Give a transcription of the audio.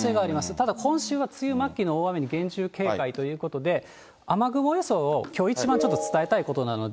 ただ今週は梅雨末期の大雨に厳重警戒ということで、雨雲予想を、きょう一番ちょっと伝えたいことなので。